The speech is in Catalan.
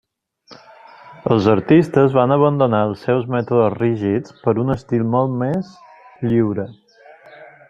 Els artistes van abandonar els seus mètodes rígids per un estil molt més lliure.